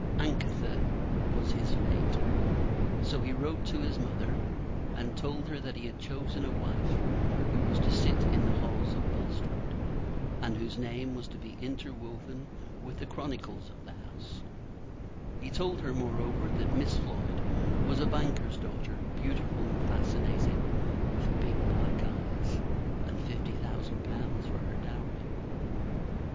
Anakthe! It was his fate. So he wrote to his mother, and told her that he had chosen a wife who was to sit in the halls of Bulstrode, and whose name was to be interwoven with the chronicles of the house; told her, moreover, that Miss Floyd was a banker's daughter, beautiful and fascinating, with big black eyes, and fifty thousand pounds for her dowry.